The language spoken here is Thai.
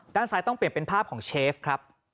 ด้านซ้ายต้องเปลี่ยนเป็นภาพของเชฟครับ